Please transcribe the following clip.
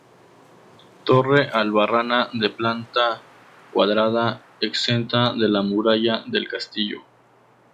Torre albarrana de planta cuadrada, exenta de la muralla del castillo.